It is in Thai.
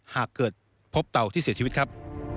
หากเกิดพบเต่าที่เสียชีวิตครับ